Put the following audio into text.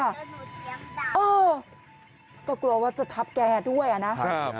เออก็กลัวว่าจะทับแกด้วยอ่ะนะ